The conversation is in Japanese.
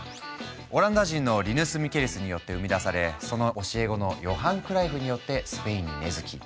オランダ人のリヌス・ミケルスによって生み出されその教え子のヨハン・クライフによってスペインに根づき